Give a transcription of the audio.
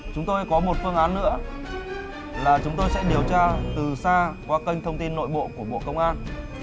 chúng tôi có một phương án nữa là chúng tôi sẽ điều tra từ xa qua kênh thông tin nội bộ của bộ công an